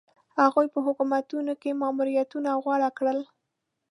هغوی په حکومتونو کې ماموریتونه غوره کړل.